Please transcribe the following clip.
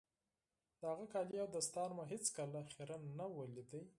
د هغه کالي او دستار مې هېڅ کله خيرن نه وو ليدلي.